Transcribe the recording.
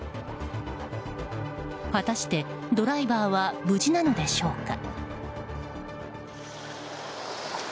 果たして、ドライバーは無事なのでしょうか？